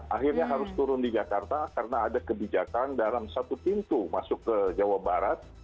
akhirnya harus turun di jakarta karena ada kebijakan dalam satu pintu masuk ke jawa barat